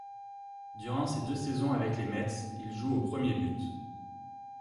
Durant ses deux saisons avec les Mets, il joue au premier but.